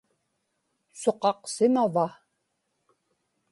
suqaqsimava